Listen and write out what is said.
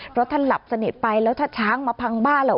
เพราะท่านหลับสนิทไปแล้วถ้าช้างมาพังบ้านเหรอ